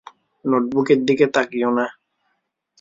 নোটবুকের দিকে তাকিও না!